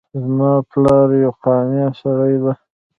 زما پلار یو قانع سړی ده